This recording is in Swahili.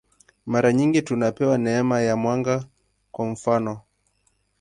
Mara nyingi tunapewa neema ya mwanga, kwa mfanof.